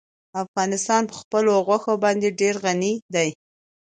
افغانستان په خپلو غوښې باندې ډېر غني دی.